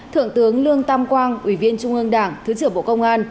thượng tướng lương tam quang ủy viên trung ương đảng thứ trưởng bộ công an